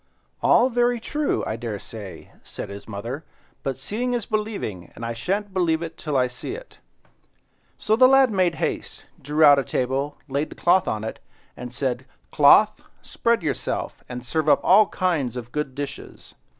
"All very true, I dare say," said his mother, "but seeing is believing, and I shan't believe it till I see it." So the lad made haste, drew out a table, laid the cloth on it, and said— "Cloth, spread yourself, and serve up all kinds of good dishes."